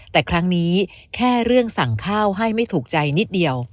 แต่ครั้งนี้แค่เรื่องสั่งข้าวให้ไม่ถูกใจนิดเดียว